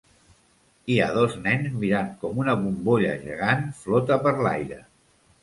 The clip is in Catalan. Hi ha dos nens mirant com una bombolla gegant flota per l'aire.